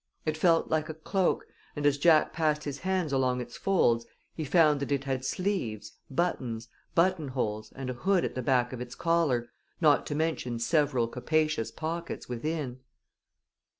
It felt like a cloak, and as Jack passed his hands along its folds he found that it had sleeves, buttons, buttonholes, and a hood at the back of its collar, not to mention several capacious pockets within.